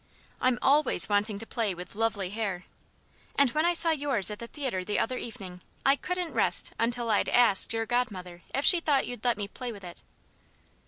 I'm always wanting to play with lovely hair. And when I saw yours at the theatre the other evening, I couldn't rest until I'd asked your godmother if she thought you'd let me play with it."